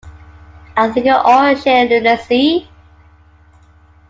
I think it all sheer lunacy.